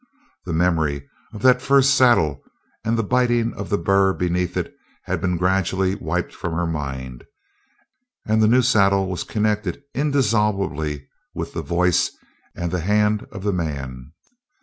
The memory of that first saddle and the biting of the bur beneath it had been gradually wiped from her mind, and the new saddle was connected indisolubly with the voice and the hand of the man.